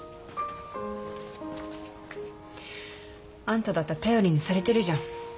あんただって頼りにされてるじゃん。